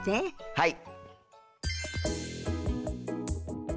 はい。